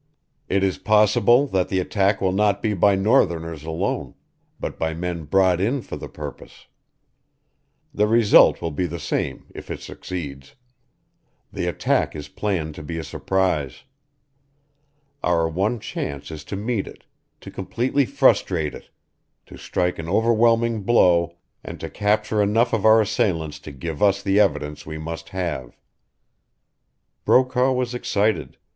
It is possible that the attack will not be by northerners alone, but by men brought in for the purpose. The result will be the same if it succeeds. The attack is planned to be a surprise. Our one chance is to meet it, to completely frustrate it to strike an overwhelming blow, and to capture enough of our assailants to give us the evidence we must have." Brokaw was excited.